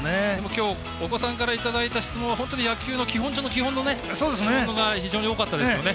今日、お子さんからいただいた質問は本当に野球の基本中の基本の質問が非常に多かったですね。